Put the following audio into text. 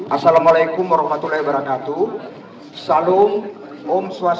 assalamu'alaikum warahmatullahi wabarakatuh